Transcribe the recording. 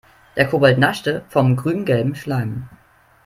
Der Kobold naschte vom grüngelben Schleim.